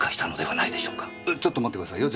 えっちょっと待ってくださいよ。